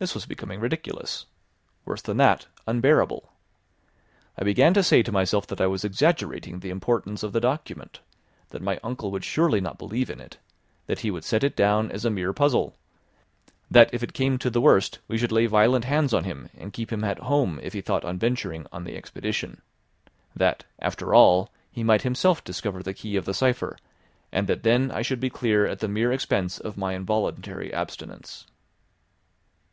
This was becoming ridiculous; worse than that, unbearable. I began to say to myself that I was exaggerating the importance of the document; that my uncle would surely not believe in it, that he would set it down as a mere puzzle; that if it came to the worst, we should lay violent hands on him and keep him at home if he thought on venturing on the expedition; that, after all, he might himself discover the key of the cipher, and that then I should be clear at the mere expense of my involuntary abstinence.